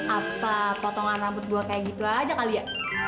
apa potongan rambut buah kayak gitu aja kali ya